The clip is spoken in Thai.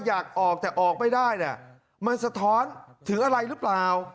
อยากออกแต่ออกไม่ได้เนี่ยมันสะท้อนถึงอะไรหรือเปล่า